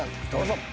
どうぞ。